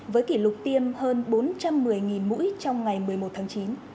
với kỷ lục tiêm hơn bốn trăm một mươi mũi trong ngày một mươi một tháng chín